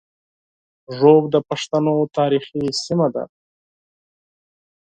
ږوب د پښتنو تاریخي سیمه ده